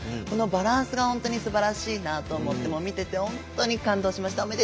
このバランスが本当にすばらしいなと思って見てて、本当に感動しました。